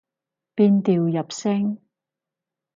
變調入聲